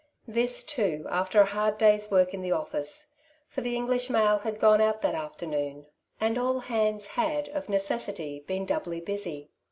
This, too, after a hard day's work in the office — for the English mail had gone out that afternoon, and all hands had, of necessity, been doubly busy.